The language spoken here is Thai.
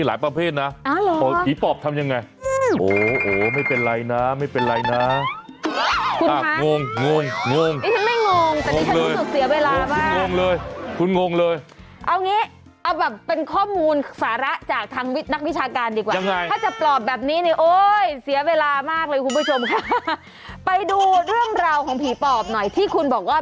แล้วมันเป็นอย่างไรคะคือปอบบางคนก็บอกว่า